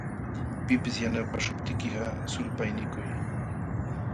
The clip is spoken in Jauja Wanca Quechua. Pipis yanapaśhuptiykiqa, sulpaynikuy.